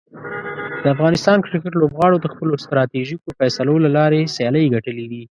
د افغانستان کرکټ لوبغاړو د خپلو ستراتیژیکو فیصلو له لارې سیالۍ ګټلي دي.